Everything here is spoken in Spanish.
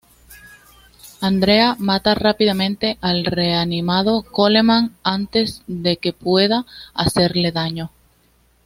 Andrea mata rápidamente al reanimado Coleman antes de que pueda hacerle daño.